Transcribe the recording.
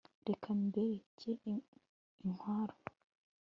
reka mbetere inkuaru